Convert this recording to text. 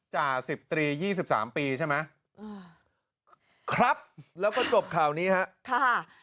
จ่าสิบตรียี่สิบสามปีใช่ไหมอ่าครับแล้วก็จบข่าวนี้ฮะค่ะ